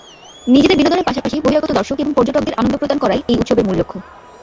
নিজেদের বিনোদনের পাশাপাশি বহিরাগত দর্শক এবং পর্যটকদের আনন্দ প্রদান করাই এই উৎসবের মূল লক্ষ্য।